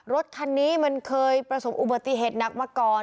รถคันนี้มันเคยประสบอุบัติเหตุหนักมาก่อน